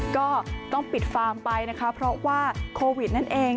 ก็ต้องปิดฟาร์มไปนะคะเพราะว่าโควิดนั่นเอง